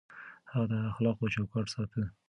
هغه د اخلاقو چوکاټ ساته.